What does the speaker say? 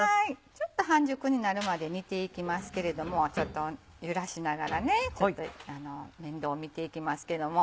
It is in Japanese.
ちょっと半熟になるまで煮ていきますけれどもちょっと揺らしながら面倒見ていきますけども。